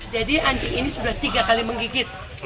jadi anjing ini sudah tiga kali menggigit